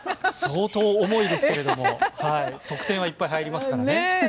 相当重いですけど得点はいっぱい入りますからね。